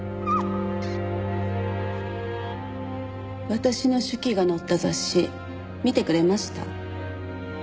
私の手記が載った雑誌見てくれました？